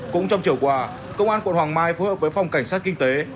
cũng trong chiều qua công an quận hoàng mai phối hợp với phòng cảnh sát kinh tế